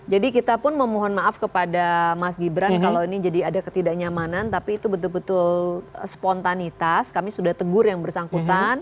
jadi kita pun memohon maaf kepada mas gibran kalau ini jadi ada ketidaknyamanan tapi itu betul betul spontanitas kami sudah tegur yang bersangkutan